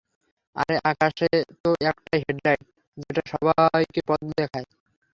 আরে আকাশে তো একটাই হেড লাইট, যেটা সবাইকে পথ দেখায়।